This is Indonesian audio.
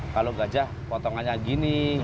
kalau gajah potongannya gini